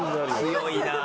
強いな。